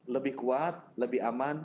lebih kuat lebih aman